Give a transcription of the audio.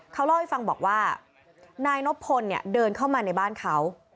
เขาเล่าให้ฟังบอกว่านายนบพลเนี่ยเดินเข้ามาในบ้านเขา